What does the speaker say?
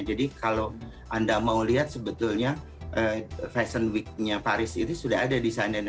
jadi kalau anda mau lihat sebetulnya fashion weeknya paris itu sudah ada di sana